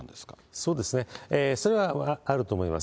そうですね、それはあると思います。